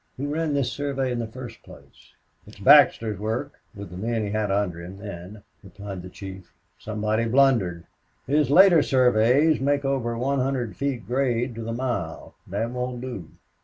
"Who ran this survey in the first place?" "It's Baxter's work with the men he had under him then," replied the chief. "Somebody blundered. His later surveys make over one hundred feet grade to the mile. That won't do.